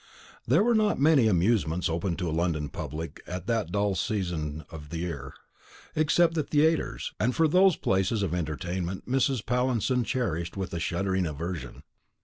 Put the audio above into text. There were not many amusements open to a London public at that dull season of the year, except the theatres, and for those places of entertainment Mrs. Pallinson cherished a shuddering aversion.